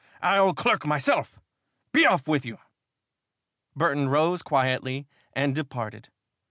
I'll clerk myself. Be off with you!" Burton rose quietly and departed.